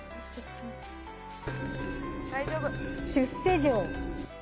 出世城。